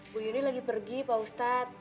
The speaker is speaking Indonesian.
bu yudi lagi pergi pak ustadz